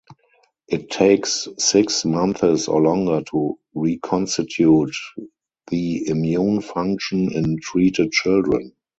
It takes six months or longer to reconstitute the immune function in treated children.